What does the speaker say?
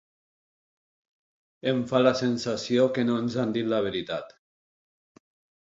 Em fa la sensació que no ens han dit la veritat.